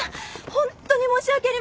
ホントに申し訳ありません。